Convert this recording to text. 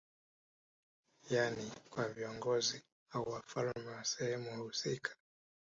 Yani kwa viongozi au wafalme wa sehemu husika